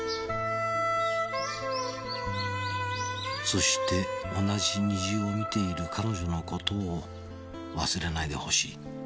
「そして同じ虹を見ている彼女の事を忘れないで欲しい」